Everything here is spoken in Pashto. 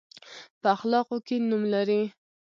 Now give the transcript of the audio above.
په اخلاقو کې نوم لري.